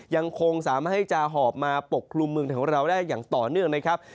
ยังคงสามารถให้จะหอบมาปกคลุมเมืองไทยของเราได้อย่างต่อเนื่องนะครับ